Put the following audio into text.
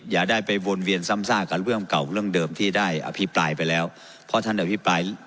อย่าได้ไปวนเวียนซ้ำซากกับเรื่องเก่าเรื่องเดิมที่ได้อภิปรายไปแล้วเพราะท่านอภิปราย